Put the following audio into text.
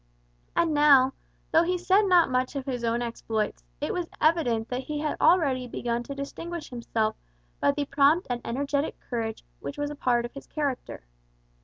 And now, though he said not much of his own exploits, it was evident that he had already begun to distinguish himself by the prompt and energetic courage which was a part of his character.